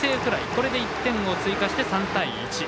これで１点を追加して３対１。